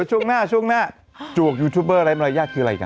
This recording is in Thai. ช่วงหน้าจวกยูทูเปอร์อะไรยากคืออะไรกะ